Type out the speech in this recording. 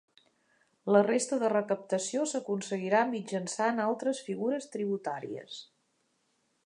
La resta de recaptació s’aconseguirà mitjançant altres figures tributàries.